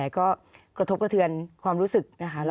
ขอบคุณครับ